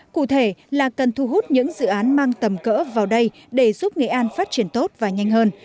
cụ thể là cần thu hút những dự án mang tầm cỡ vào đây để giúp nghệ an phát triển tốt và nhanh hơn